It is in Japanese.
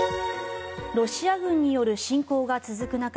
ロシア軍による侵攻が続く中